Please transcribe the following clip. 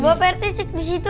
coba pak rt cek di situ